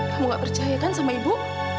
kamu gak percaya kan sama ibu